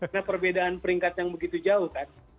karena perbedaan peringkat yang begitu jauh kan